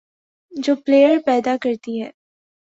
جو پلئیر پیدا کرتی ہے،